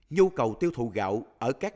nhu cầu tiêu thụ gạo ở các